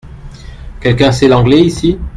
Quelqu’un sait l’anglais ici ?